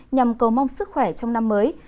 nhằm cầu mong sức khỏe trong năm mới